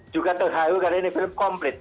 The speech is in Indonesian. juga terharu karena ini film komplit